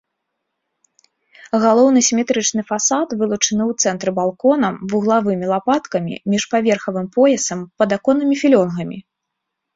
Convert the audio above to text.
Галоўны сіметрычны фасад вылучаны ў цэнтры балконам, вуглавымі лапаткамі, міжпаверхавым поясам, падаконнымі філёнгамі.